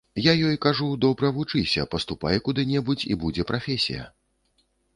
Я ёй кажу, добра вучыся, паступай куды-небудзь, і будзе прафесія.